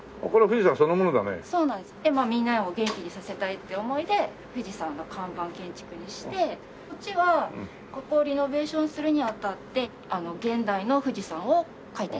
みんなを元気にさせたいって思いで富士山の看板建築にしてこっちはここをリノベーションするにあたって現代の富士山を描いて頂いた。